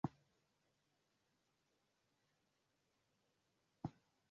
Juliana alikuwa jasusi wakati Jabir alikuwa mpelelezi japo elimu yao na ujuzi vilifanana